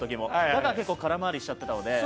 だから結構空回りしちゃってたので。